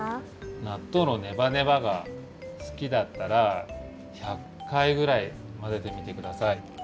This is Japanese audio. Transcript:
なっとうのネバネバがすきだったら１００かいぐらいまぜてみてください。